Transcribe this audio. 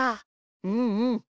うんうん。